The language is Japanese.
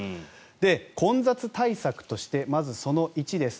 混雑対策としてまずその１です。